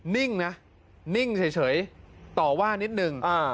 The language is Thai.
นิ่งนะนิ่งเฉยต่อว่านิดนึง